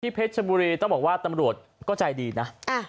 เพชรชบุรีต้องบอกว่าตำรวจก็ใจดีนะ